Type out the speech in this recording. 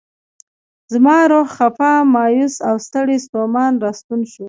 زما روح خفه، مایوس او ستړی ستومان راستون شي.